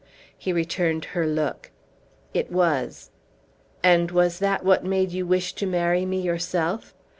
He returned her look. "It was." "Was that what made you wish to marry me yourself?"